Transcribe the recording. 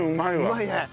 うまいね。